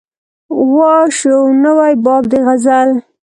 وا شو نوی باب د غزل